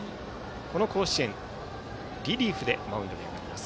この甲子園リリーフでマウンドに上がります。